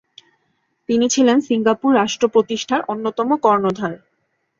তিনি ছিলেন সিঙ্গাপুর রাষ্ট্র প্রতিষ্ঠার অন্যতম কর্ণধার।